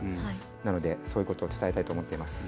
なので、そういうことを伝えたいと思っています。